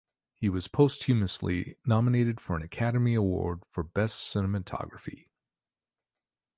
He was posthumously nominated for an Academy Award for Best Cinematography.